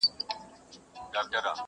مور د کور درد زغمي